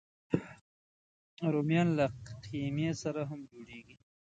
رومیان له قیمې سره هم جوړېږي